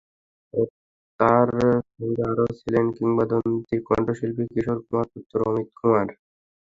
তাঁর সঙ্গে আরও ছিলেন কিংবদন্তি কণ্ঠশিল্পী কিশোর কুমারের পুত্র অমিত কুমার।